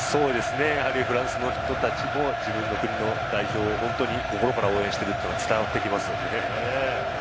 やはりフランスの人たちも自分の国の代表を本当に心から応援しているのが伝わってきますね。